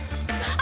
あ。